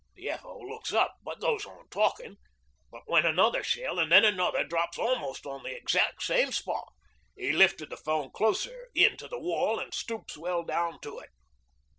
The F.O. looks up, but goes on talkin'; but when another shell, an' then another, drops almost on the exact same spot, he lifted the 'phone closer in to the wall and stoops well down to it.